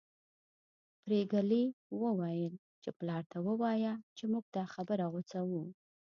پري ګلې وويل چې پلار ته ووايه چې موږ دا خبره غوڅوو